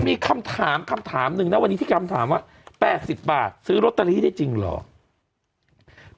มีคำถามคำถามหนึ่งนะวันนี้ที่คำถามว่า๘๐บาทซื้อลอตเตอรี่ได้จริงเหรอ